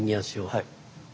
はい。